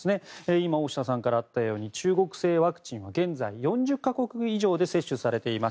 今、大下さんからあったように中国製ワクチンは現在、４０か国以上で接種されています。